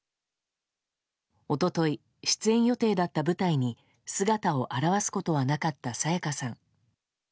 一昨日、出演予定だった舞台に姿を現すことはなかった沙也加さん。